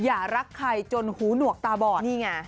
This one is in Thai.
อย่ารักใครจนหูหนวกตาบอด